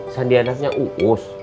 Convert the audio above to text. sandi anaknya uus